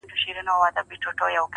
د ورځي سور وي رسوایي وي پکښې,